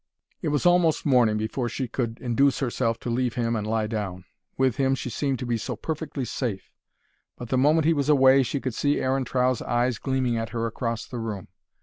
It was almost morning before she could induce herself to leave him and lie down. With him she seemed to be so perfectly safe; but the moment he was away she could see Aaron Trow's eyes gleaming at her across the room.